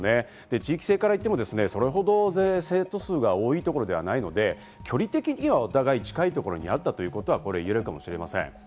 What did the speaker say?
地域性からいっても、それほど生徒数は多いところではないので距離的にはお互いに近いところにあったということは言えるかもしれません。